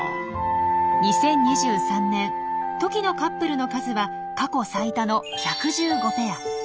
２０２３年トキのカップルの数は過去最多の１１５ペア。